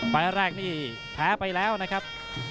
ไฟล์แรกนี่แพ้ไปแล้วนะครับ